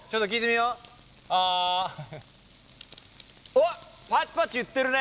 おっパチパチいってるね！